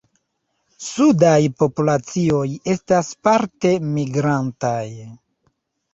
Sudaj populacioj estas parte migrantaj.